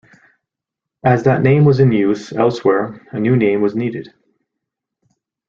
As that name was in use elsewhere, a new name was needed.